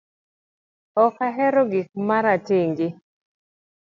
Ok ahero gik maratenge